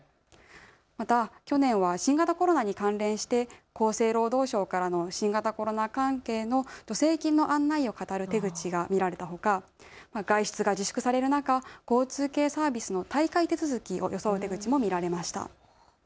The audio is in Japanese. また去年は新型コロナに関連して厚生労働省からの新型コロナ関係の助成金の案内をかたる手口が見られたほか外出が自粛される中、交通系サービスの退会手続きを装う手口も見られました。